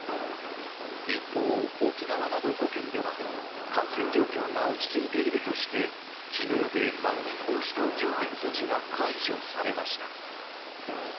一方、沖縄など５県では、感染状況が落ち着いているとして、きのうでまん延防止等重点措置が解除されました。